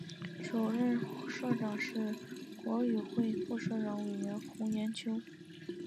首任社长是国语会副主任委员洪炎秋。